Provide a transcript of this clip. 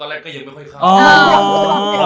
แล้วเราเข้าที่เหมือนไง